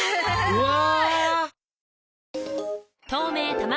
うわ！